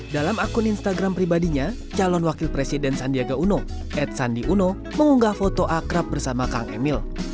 dalam akun instagram pribadinya calon wakil presiden sandiaga uno ed sandi uno mengunggah foto akrab bersama kang emil